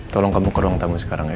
tolong kamu ke ruang tamu sekarang ya